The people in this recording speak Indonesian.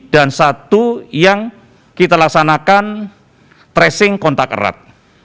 dan satu yang kita laksanakan tracing kontak erat